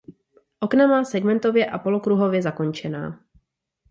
Okna má segmentově a polokruhově zakončená.